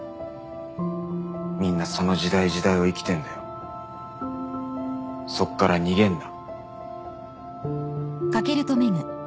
みんなその時代時代を生きてんだよそっから逃げんな。